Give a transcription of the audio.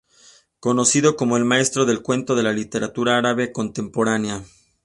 Conocido como el maestro del cuento de la literatura árabe contemporánea.